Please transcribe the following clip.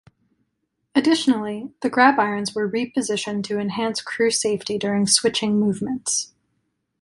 Additionally, the grab irons were repositioned to enhance crew safety during switching movements.